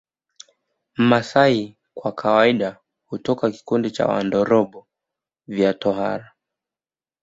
Mmasai kwa kawaida hutoka kikundi cha Wandorobo vya tohara